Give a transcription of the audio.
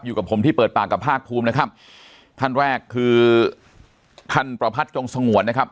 อยู่กับผมที่เปิดปากกับภาคภูมินะครับท่านแรกคือท่านประพัทธ์จงสงวนนะครับ